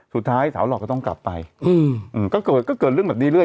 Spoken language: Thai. สุดท้ายสาวเราต้องกลับไปก็เกิดเรื่องแบบนี้เรื่อย